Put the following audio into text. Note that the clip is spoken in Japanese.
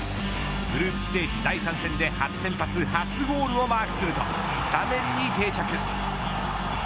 グループリーグ第３戦で初先発初ゴールをマークするとスタメンに定着。